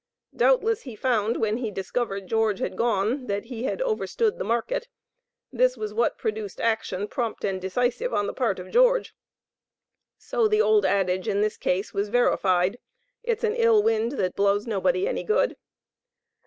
Doubtless he found, when he discovered George had gone, that he had "overstood the market." This was what produced action prompt and decisive on the part of George. So the old adage, in this case, was verified "It's an ill wind that blows nobody any good."